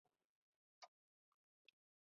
ملګرو ملتونو موخې څومره تر سره کړې دي؟